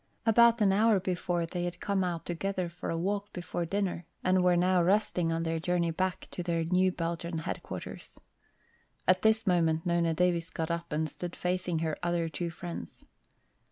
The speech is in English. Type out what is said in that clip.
About an hour before they had come out together for a walk before dinner and were now resting on their journey back to their new Belgian headquarters. At this moment Nona Davis got up and stood facing her other two friends.